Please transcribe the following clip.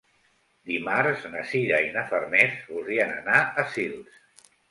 Dimarts na Sira i na Farners voldrien anar a Sils.